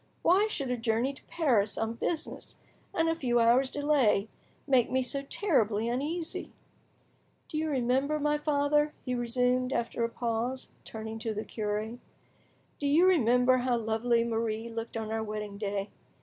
Why should a journey to Paris on business, and a few hours' delay, make, me so terribly uneasy? Do you remember, my father," he resumed, after a pause, turning to the cure, "do you remember how lovely Marie looked on our wedding day?